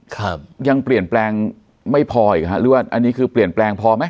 ครับยังเปลี่ยนแปลงไม่พออีกฮะหรือว่าอันนี้คือเปลี่ยนแปลงพอไหม